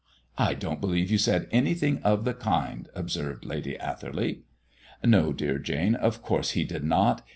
'" "I don't believe you said anything of the kind," observed Lady Atherley. "No, dear Jane; of course he did not.